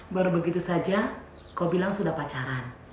baru begitu saja kau bilang sudah pacaran